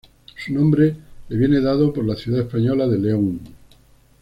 Su nombre le viene dado por la ciudad española de León.